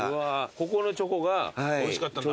ここのチョコがおいしかったんだ。